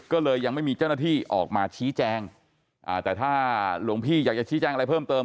ก็เลยยังไม่มีเจ้าหน้าที่ออกมาชี้แจงแต่ถ้าหลวงพี่อยากจะชี้แจ้งอะไรเพิ่มเติม